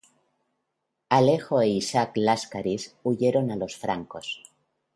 Alejo e Isaac Láscaris huyeron a los francos.